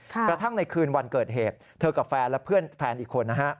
ในคืนวันเกิดเหตุเธอกับแฟนและเพื่อนอีกคนนะฮะ